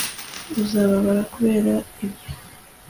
uzababara kubera ibyo